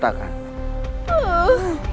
tidak tahu pak kiai